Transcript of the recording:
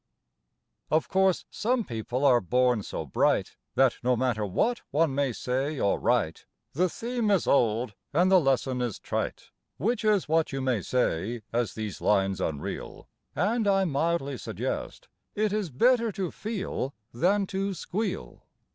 Of course some people are born so bright That no matter what one may say, or write, The theme is old and the lesson is trite, Which is what you may say, as these lines unreel And I mildly suggest it is better to feel Than to squeal.